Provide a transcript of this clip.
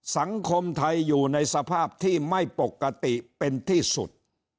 สังคมไทยอยู่ในสภาพที่ไม่ปกติเป็นที่สุด